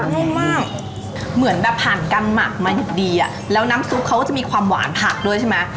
แน่ใจมากผันกำหมักมาอยู่ดีแล้วน้ำซุปเขามีความหวานผักด้วยใช่มั้ย